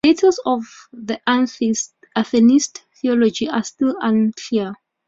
The details of Atenist theology are still unclear.